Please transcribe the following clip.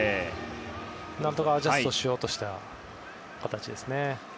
何とかアジャストしようとした形ですね。